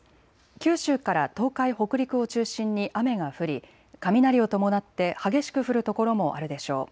九州から東海、北陸を中心に雨が降り雷を伴って激しく降る所もあるでしょう。